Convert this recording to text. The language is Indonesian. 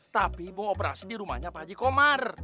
tapi bung operasi di rumahnya pak haji komar